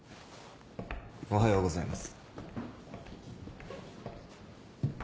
おはようございます。